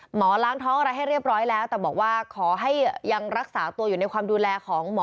หมอล้างท้องอะไรให้เรียบร้อยแล้วแต่บอกว่าขอให้ยังรักษาตัวอยู่ในความดูแลของหมอ